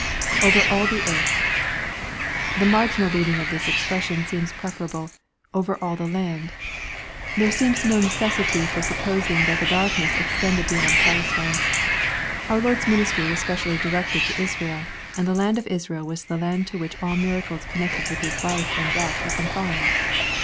[OveraM the earth.] The marginal reading of this expression seems preferable, —" over all the land." There seems no necessity for supposing that the darkness extended beyond Palestine. Our Lord's ministry was specially directed to Israel, and the land of Israel was the land to which all miracles connected with His life and death were confined.